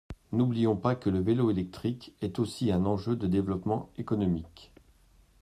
N’oublions pas que le vélo électrique est aussi un enjeu de développement économique.